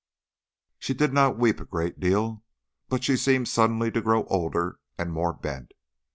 She did not weep a great deal, but she seemed suddenly to grow older and more bent.